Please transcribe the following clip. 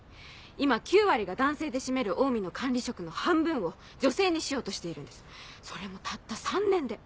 今９割が男性で占めるオウミの管理職の半分を女性にしようとしているんですそれもたった３年で。